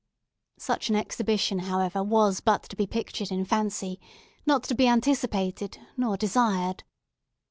Such an exhibition, however, was but to be pictured in fancy; not to be anticipated, nor desired.